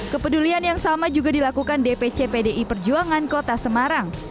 kepedulian yang sama juga dilakukan dpc pdi perjuangan kota semarang